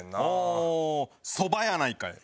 あーそばやないかい。